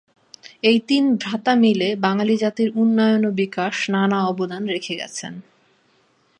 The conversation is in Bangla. এই তিন ভ্রাতা মিলে বাঙালি জাতির উন্নয়ন ও বিকাশ নানা অবদান রেখে গেছেন।